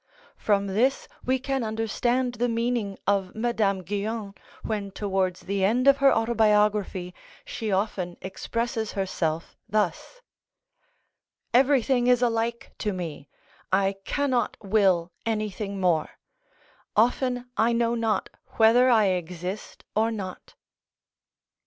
From this we can understand the meaning of Madame Guion when towards the end of her autobiography she often expresses herself thus: "Everything is alike to me; I cannot will anything more: often I know not whether I exist or not."